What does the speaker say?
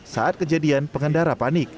saat kejadian pengendara panik